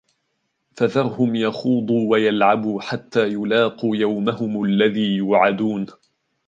فَذَرْهُمْ يَخُوضُوا وَيَلْعَبُوا حَتَّى يُلَاقُوا يَوْمَهُمُ الَّذِي يُوعَدُونَ